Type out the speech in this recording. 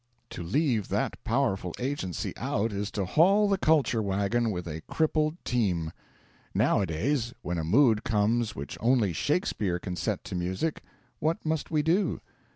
To leave that powerful agency out is to haul the culture wagon with a crippled team. Nowadays, when a mood comes which only Shakespeare can set to music, what must we do?